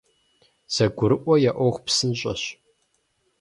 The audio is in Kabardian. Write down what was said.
ЗэгурыӀуэ я Ӏуэху псынщӀэщ.